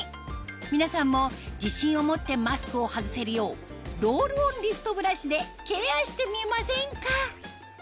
皆さんも自信を持ってマスクを外せるようロールオンリフトブラシでケアしてみませんか？